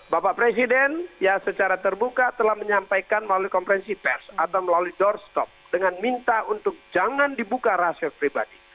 bapak presiden ya secara terbuka telah menyampaikan melalui kompresi pers atau melalui door stop dengan minta untuk jangan dibuka rahasia pribadi